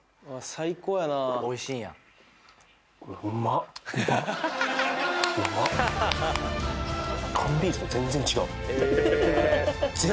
最高やなおいしいんやうまっうまっ缶ビールと全然違うええー